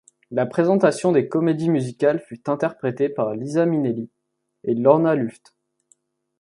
La présentation des comédies musicales fut interprété par Liza Minnelli et Lorna Luft.